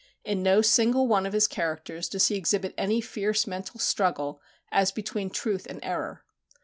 In no single one of his characters does he exhibit any fierce mental struggle as between truth and error.